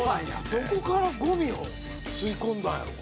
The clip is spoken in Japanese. どこからゴミを吸い込んだんやろうか？